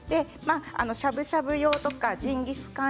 しゃぶしゃぶ用だったりジンギスカン